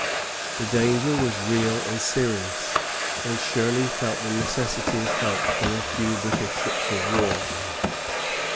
The danger was real and serious, and Shirley felt the necessity of help from a few British ships of war.